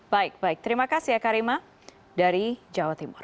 baik baik terima kasih ya karima dari jawa timur